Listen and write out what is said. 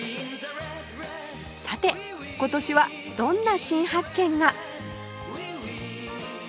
さて今年はどんな新発見が？